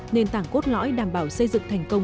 nền tảng cốt lõi đảm bảo xây dựng thành công